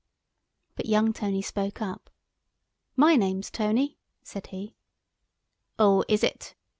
But young Tony spoke up. "My name's Tony," said he. "Oh, is it?"